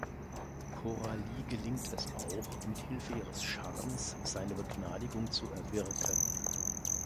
Coralie gelingt es auch, mithilfe ihres Charmes seine Begnadigung zu erwirken.